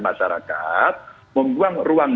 masyarakat membuang ruang